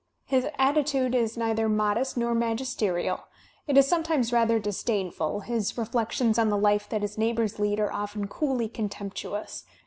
His attitude is neither modest nor magisterial; it is sometimes rather disdainful, his reflections on the life that his neighbours lead are often coolly contemptuous.